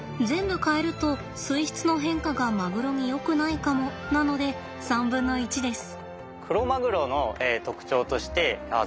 全部変えると水質の変化がマグロによくないかもなので３分の１です。